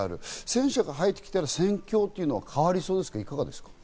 戦車が入ってきたら戦況というのは変わりそうですか？